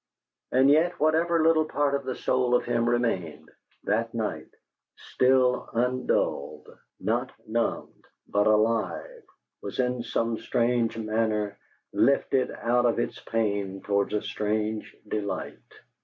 And yet, whatever little part of the soul of him remained, that night, still undulled, not numbed, but alive, was in some strange manner lifted out of its pain towards a strange delight.